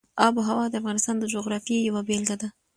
آب وهوا د افغانستان د جغرافیې یوه بېلګه ده.